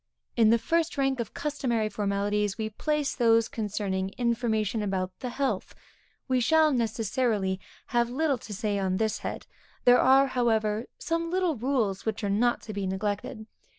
_ In the first rank of customary formalities, we place those concerning information about the health. We shall, necessarily, have little to say on this head; there are, however, some little rules which are not to be neglected.